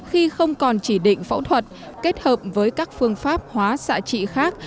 khi không còn chỉ định phẫu thuật kết hợp với các phương pháp hóa xạ trị khác